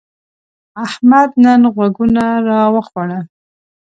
احمد نن غوږونه راوخوړل.